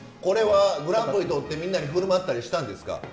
これはグランプリ取ってみんなにふるまったりしたんですか？